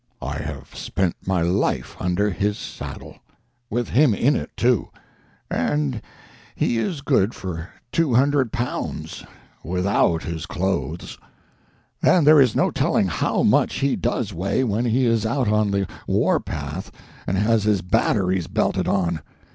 I have spent my life under his saddle—with him in it, too, and he is good for two hundred pounds, without his clothes; and there is no telling how much he does weigh when he is out on the war path and has his batteries belted on.